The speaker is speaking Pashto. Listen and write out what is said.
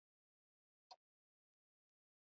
زه د نرم موسیقۍ غږ خوښوم.